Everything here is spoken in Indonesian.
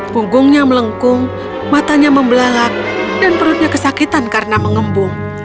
punggungnya melengkung matanya membelalak dan perutnya kesakitan karena mengembung